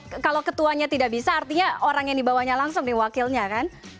kalau ketuanya tidak bisa artinya orang yang dibawanya langsung nih wakilnya kan